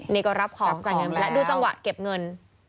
นี่ก็รับของจ่ายเงินไปแล้วดูจังหวะเก็บเงิน